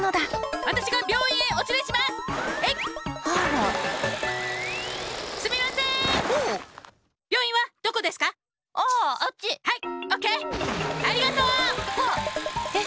ありがとう！わっ！